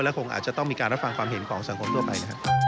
คงอาจจะต้องมีการรับฟังความเห็นของสังคมทั่วไปนะครับ